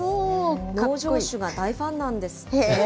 農場主が大ファンなんですって。